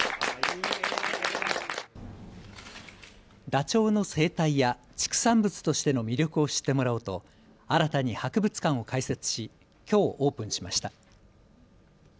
ダチョウの生態や畜産物としての魅力を知ってもらおうと新たに博物館を開設しきょうオープンしました。